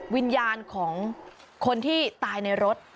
วิญญาณของคนที่ตายในรถ